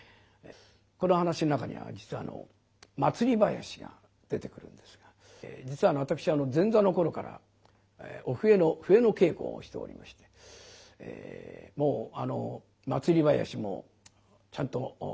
この噺の中には実は祭り囃子が出てくるんですが実は私前座の頃からお笛の笛の稽古をしておりましてもう祭り囃子もちゃんと稽古をいたしました。